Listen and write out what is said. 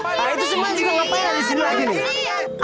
nah itu semua juga ngapain di sini aja nih